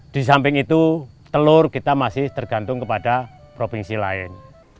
di samping itu telur kita masih tergantung kepada provinsi lain